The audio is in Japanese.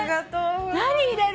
何入れる？